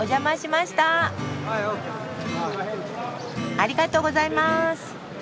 ありがとうございます。